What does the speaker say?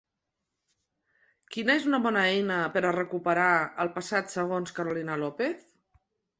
Quina és una bona eina per a recuperar el passat segons Carolina López?